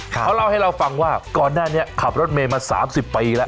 เขาเล่าให้เราฟังว่าก่อนหน้านี้ขับรถเมย์มา๓๐ปีแล้ว